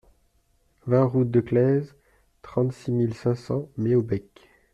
vingt route de Claise, trente-six mille cinq cents Méobecq